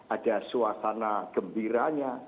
ada suasana gembiranya